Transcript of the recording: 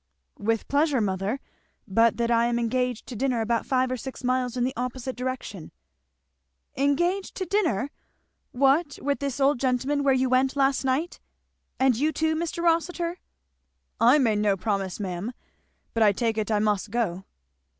"With pleasure, mother, but that I am engaged to dinner about five or six miles in the opposite direction." "Engaged to dinner! what with this old gentleman where you went last night? And you too, Mr. Rossitur?" "I have made no promise, ma'am, but I take it I must go."